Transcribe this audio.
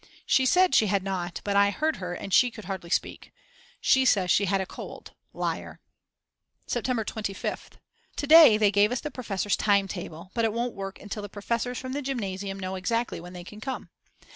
She said she had not, but I heard her and she could hardly speak. She says she had a cold, liar. September 25th. To day they gave us the professors' time table, but it won't work until the professors from the Gymnasium know exactly when they can come.